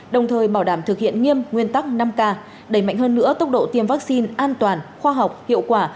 đồng thời bảo đảm thực hiện nghiêm nguyên tắc năm k đẩy mạnh hơn nữa tốc độ tiêm vaccine an toàn khoa học hiệu quả